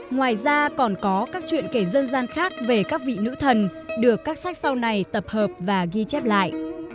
ngoài ra còn có các chuyện kể dân gian khác về các vị nữ thần được các sách sau này tập hợp và ghi chép lại